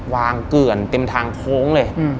เกือนเต็มทางโค้งเลย